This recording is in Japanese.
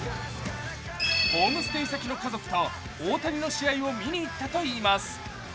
ホームステイ先の家族と大谷の試合を見に行ったといいます。